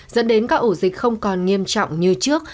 dẫn đến các ổ dịch không còn nghiêm trọng như trước